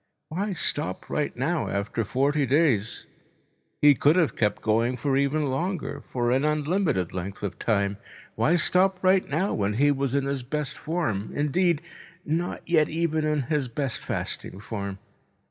Why stop right now after forty days? He could have kept going for even longer, for an unlimited length of time. Why stop right now, when he was in his best form, indeed, not yet even in his best fasting form?